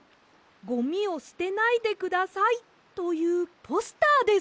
「ゴミをすてないでください」というポスターです！